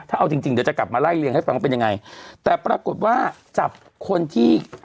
ถ้าเอาจริงจริงเดี๋ยวจะกลับมาไล่เลี่ยงให้ฟังว่าเป็นยังไงแต่ปรากฏว่าจับคนที่